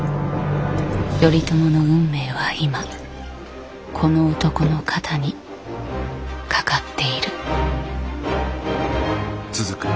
頼朝の運命は今この男の肩にかかっている。